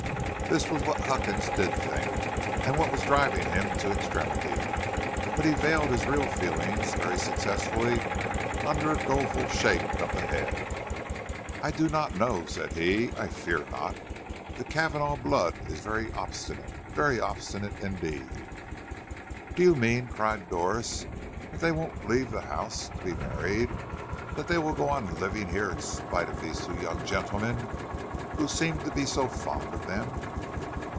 This was what Huckins did think, and what was driving him to extremity, but he veiled his real feelings very successfully under a doleful shake of the head. "I do not know," said he. "I fear not. The Cavanagh blood is very obstinate, very obstinate indeed." "Do you mean," cried Doris, "that they won't leave the house to be married? That they will go on living here in spite of these two young gentlemen who seem to be so fond of them?"